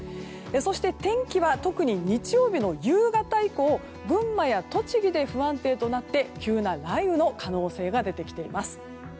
そして天気は特に日曜日の夕方以降群馬や栃木で不安定となって急な雷雨の可能性が出てきています。